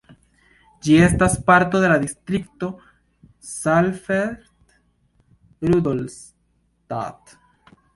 Ĝi estas parto de la distrikto Saalfeld-Rudolstadt.